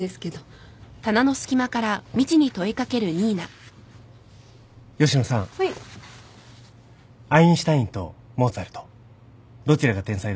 アインシュタインとモーツァルトどちらが天才だと思います？